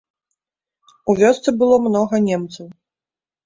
У вёсцы было многа немцаў.